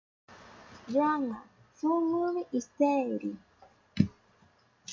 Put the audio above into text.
Dharma!, Fun Movie y S Diary".